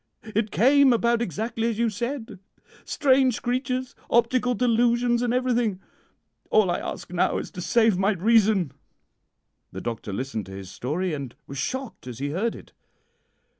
'It came about exactly as you said strange creatures, optical delusions, and everything. All I ask you now is to save my reason.' The doctor listened to his story, and was shocked as he heard it.